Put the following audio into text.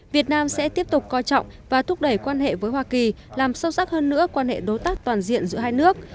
việt nam sẽ tiếp tục coi trọng và thúc đẩy quan hệ với hoa kỳ làm sâu sắc hơn nữa quan hệ đối tác toàn diện giữa hai nước